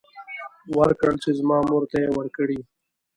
ورکړ چې زما مور ته يې ورکړي.